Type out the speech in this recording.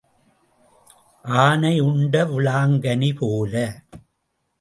ஆனை உண்ட விளாங்கனி போல.